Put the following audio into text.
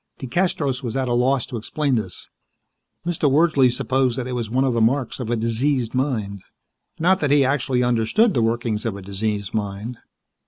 DeCastros was at a loss to explain this. Mr. Wordsley supposed that it was one of the marks of a diseased mind. Not that he actually understood the workings of a diseased mind.